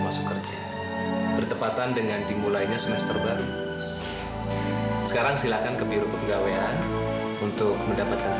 tapi kayaknya dengan cuma bila arrestsnya sama pribadi itu closest nba